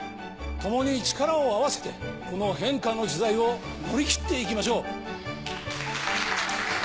共に力を合わせてこの変化の時代を乗り切って行きましょう。